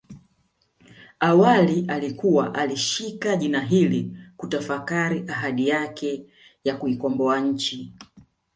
Awali alikuwa alishika jina hili kutafakari ahadi yake ya kuikomboa nchi